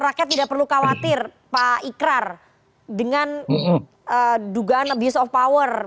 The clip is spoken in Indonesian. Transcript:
rakyat tidak perlu khawatir pak ikrar dengan dugaan abuse of power